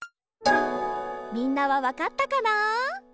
みんなはわかったかな？